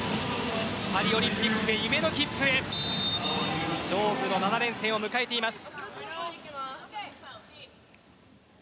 パリオリンピックへ夢の切符へ勝負の７連戦を迎えています。